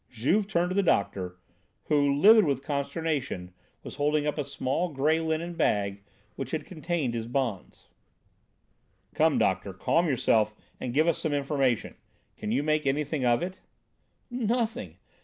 Juve turned to the doctor, who, livid with consternation, was holding up a small grey linen bag which had contained his bonds. "Come, doctor, calm yourself and give us some information. Can you make anything of it?" "Nothing!